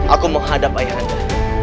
aku mau hadap ayah anda